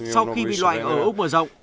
sau khi bị loại ở úc mở rộng